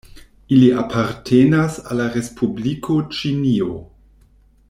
Ili apartenas al la Respubliko Ĉinio.